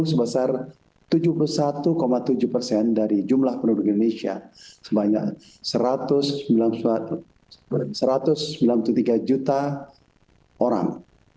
sebesar tujuh puluh satu tujuh persen dari jumlah penduduk indonesia sebanyak satu ratus sembilan puluh tiga juta orang